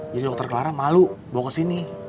jadi dokter clara malu bawa ke sini